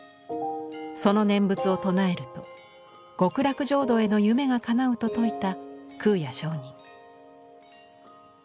その念仏を唱えると極楽浄土への夢がかなうと説いた空也上人。